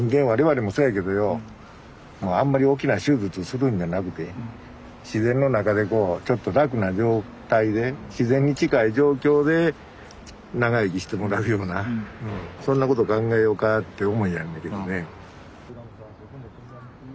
我々もそうやけどよもうあんまり大きな手術するんじゃなくて自然の中でこうちょっと楽な状態で自然に近い状況で長生きしてもらうようなそんなこと考えようかって思いやんねけどね。